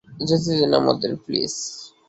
যেতে দিন আমাদের, প্লিজ!